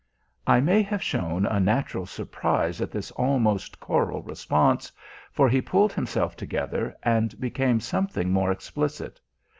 I may have shown a natural surprise at this almost choral response, for he pulled himself together and became something more explicit.